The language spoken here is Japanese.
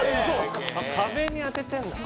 「壁に当ててるんだ」